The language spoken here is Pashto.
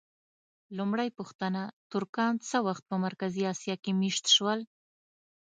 لومړۍ پوښتنه: ترکان څه وخت په مرکزي اسیا کې مېشت شول؟